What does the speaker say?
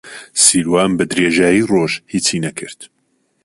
سیروان بەدرێژایی ڕۆژ هیچی نەکرد.